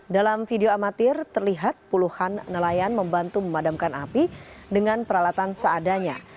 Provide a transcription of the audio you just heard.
dalam video amatir terlihat puluhan nelayan membantu memadamkan api dengan peralatan seadanya